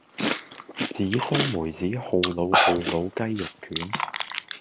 紫蘇梅子酷魯酷魯雞肉卷